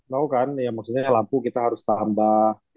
now kan ya maksudnya lampu kita harus tambah